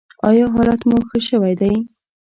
ایا حالت مو ښه شوی دی؟